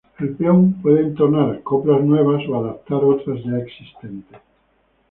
El peón puede entonar coplas nuevas o adaptar otras ya existentes.